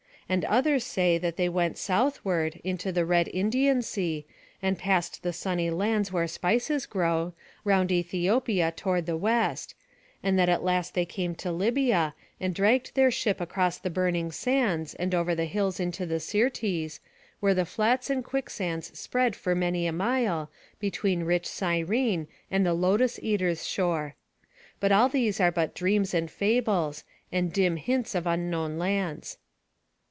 And others say that they went southward, into the Red Indian Sea, and past the sunny lands where spices grow, round Æthiopia toward the west; and that at last they came to Libya, and dragged their ship across the burning sands, and over the hills into the Syrtes, where the flats and quicksands spread for many a mile, between rich Cyrene and the Lotus eaters' shore. But all these are but dreams and fables, and dim hints of unknown lands.